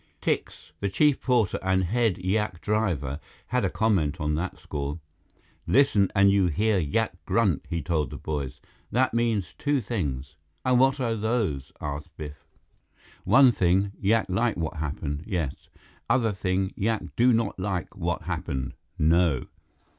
Tikse, the chief porter and head yak driver, had a comment on that score. "Listen and you hear yak grunt," he told the boys. "That means two things." "And what are those?" asked Biff. "One thing, yak like what happen, yes. Other thing, yak do not like what happen, no."